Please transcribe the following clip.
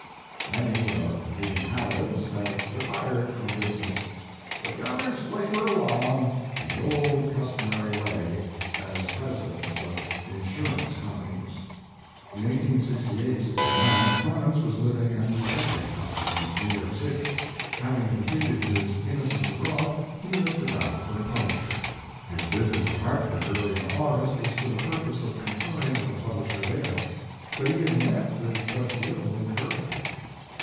Many of the inhabi tants have retired from business, but the others labor along in the old customary way, as presidents of insurance com panies." In 1868 9 Clemens was living at the Ev erett House in New York city. Having completed his Innocents Abroad, " he looked about for a publisher. His visit to Hartford early in August, was for the purpose of confering with a publisher there, but he had met with but little en couragement.